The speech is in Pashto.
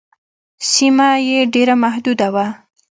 سیمه یې ډېره محدوده وه.